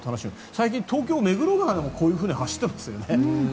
最近、東京・目黒川でもこういうふうに走ってますよね。